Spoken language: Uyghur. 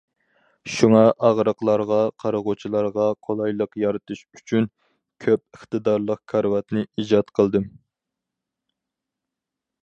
شۇڭا، ئاغرىقلارغا قارىغۇچىلارغا قولايلىق يارىتىش ئۈچۈن، كۆپ ئىقتىدارلىق كارىۋاتنى ئىجاد قىلدىم.